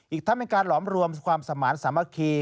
อีกทั้งเป็นการหลอมรวมความสมาธิสามัคคี